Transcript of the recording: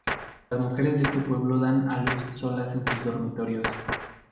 Las mujeres de este pueblo dan a luz solas en sus dormitorios.